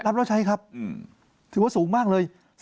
ถือว่าสูงมากเลย